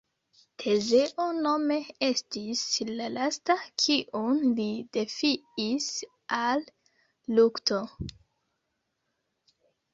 Tezeo nome estis la lasta kiun li defiis al lukto.